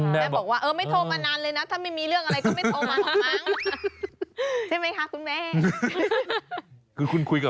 แม่ว่าไงคะ